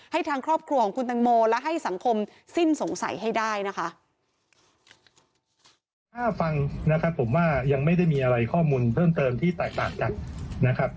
ให้ทางครอบครัวของคุณตังโมและให้สังคมสิ้นสงสัยให้ได้นะคะ